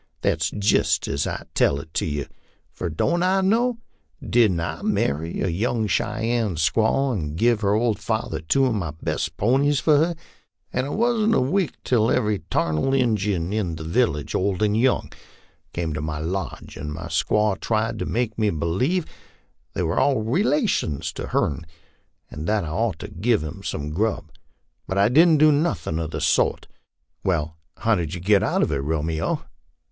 That's jist as I tell it to you fur don't I know? Didn't I marry a young Cheyenne squaw and give her old father two of my best ponies for her, and it wasn't a week till every tarnal Injun in the village, old and young, came to my lodge, and my squaw tried to make me b'lieve they were all relations of hern, and that I ought to give 'em some grub; but I didn't do nothin' of the sort." " Well, how did you get out of it, Romeo?